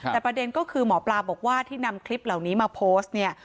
แต่ประเด็นก็คือหมอปลาบอกว่าที่นำคลิปเหล่านี้มาโพสต์เนี่ย